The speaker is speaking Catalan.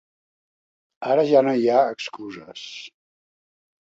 Ara ja no hi ha excuses.